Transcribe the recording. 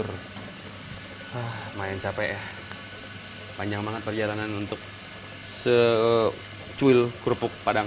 hai mah mayan capek panjang banget perjalanan untuk secuil kerupuk padang